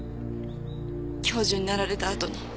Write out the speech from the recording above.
教授になられたあとに。